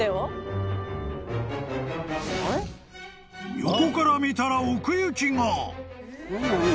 ［横から見たら奥行きが］